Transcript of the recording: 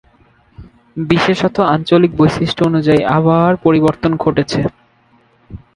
বিশেষত, আঞ্চলিক বৈশিষ্ট্য অনুযায়ী আবহাওয়ার পরিবর্তন ঘটেছে।